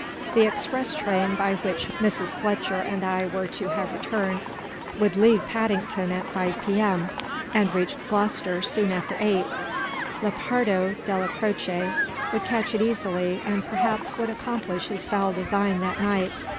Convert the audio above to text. The express train, by which Mrs. Fletcher and I were to have returned, would leave Paddington at five P.M. and reach Gloucester soon after eight. Lepardo Della Croce would catch it easily, and perhaps would accomplish his foul design that night.